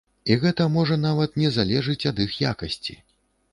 І гэта можа нават не залежыць ад іх якасці.